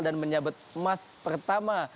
dan menyabat emas pertama